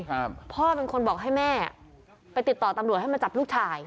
พ่อเป็นคนบอกให้แม่ไปติดต่อตำรวจให้มาจับลูกชาย